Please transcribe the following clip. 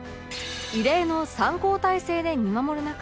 異例の三交代制で見守る中